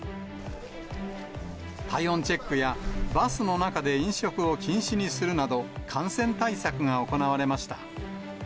体温チェックや、バスの中で飲食を禁止にするなど、感染対策が行われました。